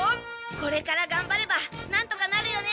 これからがんばればなんとかなるよね！